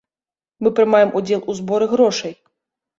Мы прымаем удзел у зборы грошай.